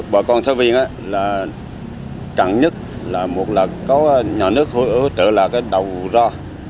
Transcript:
bọn con sơ viên là cận nhất là một là có nhà nước hỗ trợ là cái đầu ra